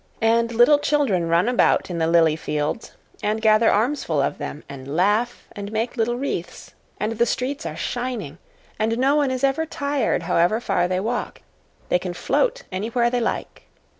And little children run about in the lily fields and gather armfuls of them, and laugh and make little wreaths. And the streets are shining. And people are never tired, however far they walk. They can float anywhere they like.